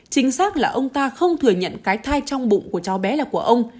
chính xác là ông ta không thừa nhận cái thai trong bụng của cháu bé là của ông